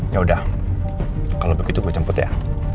yaudah kalau begitu gue jemput ya